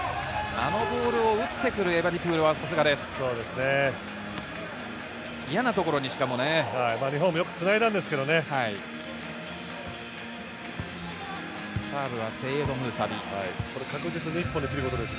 あのボールを打ってくるエバディプールはさすがです。